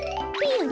うん？